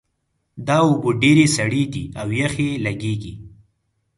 دا اوبه ډېرې سړې دي او یخې لګیږي